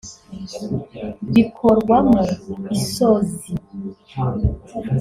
bikorwamo isozi